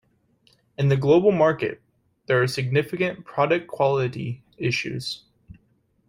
In the global market, there are significant product quality issues.